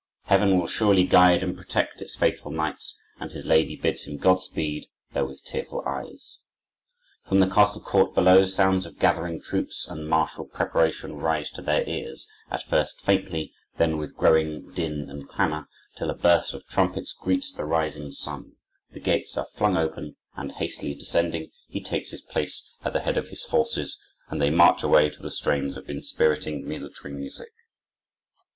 Heaven will surely guide and protect its faithful knights, and his lady bids him Godspeed, though with tearful eyes. From the castle court below, sounds of gathering troops and martial preparation rise to their ears, at first faintly, then with growing din and clamor, till a burst of trumpets greets the rising sun; the gates are flung open and, hastily descending, he takes his place at the head of his forces and they march away to the strains of inspiriting military music.